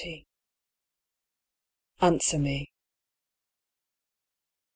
ANSWER ME.